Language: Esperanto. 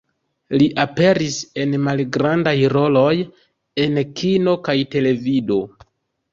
Li aperis en malgrandaj roloj en kino kaj televido.